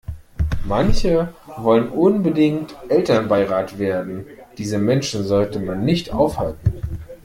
Manche wollen unbedingt Elternbeirat werden, diese Menschen sollte man nicht aufhalten.